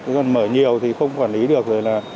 nhưng mà mở nhiều thì không quản lý được rồi là